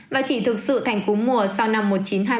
và chỉ thực sự thành cúm mùa sau năm một nghìn chín trăm hai mươi một